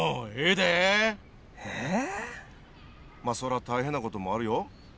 まあそらたいへんなこともあるよ。